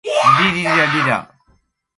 Mamata tettti timaati to tumma.